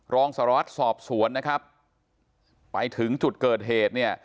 รองสารวัตรสอบสวนนะครับไปถึงจุดเกิดเหตุเนี่ย